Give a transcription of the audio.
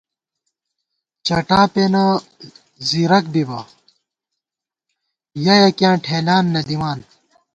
چٹا پېنہ زیرَک بِبہ ، یَہ یَکِیاں ٹھېلان نہ دِمان